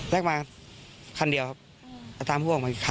แรกมาคันเดียวครับตามผู้ออกมากี่คันครับ